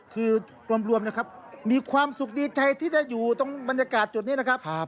คือรวมนะครับมีความสุขดีใจที่ได้อยู่ตรงบรรยากาศจุดนี้นะครับ